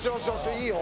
いいよ。